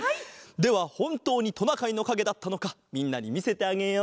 ではほんとうにトナカイのかげだったのかみんなにみせてあげよう。